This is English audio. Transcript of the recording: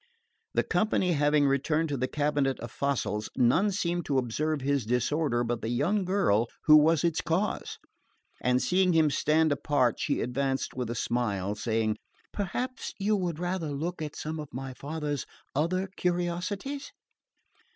The company having returned to the cabinet of fossils, none seemed to observe his disorder but the young lady who was its cause; and seeing him stand apart she advanced with a smile, saying, "Perhaps you would rather look at some of my father's other curiosities."